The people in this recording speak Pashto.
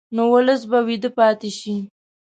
نو ولس به ویده پاتې شي.